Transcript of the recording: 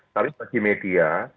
tapi bagi media